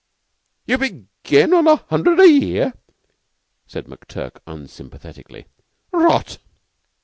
"You begin on a hundred a year?" said McTurk unsympathetically. "Rot!"